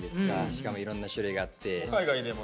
しかもいろんな種類があって。